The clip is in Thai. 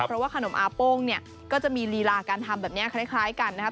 เพราะว่าขนมอาโป้งเนี่ยก็จะมีลีลาการทำแบบนี้คล้ายกันนะครับ